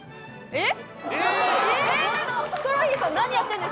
えっ！